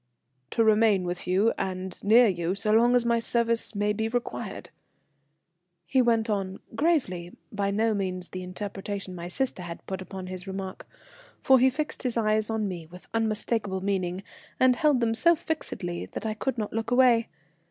"To remain with you and near you so long as my services may be required," he went on, gravely, by no means the interpretation my sister had put upon his remark; for he fixed his eyes on me with unmistakable meaning, and held them so fixedly that I could not look away.